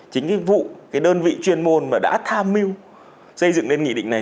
chính cái vụ cái đơn vị chuyên môn mà đã tham mưu xây dựng lên nghị định này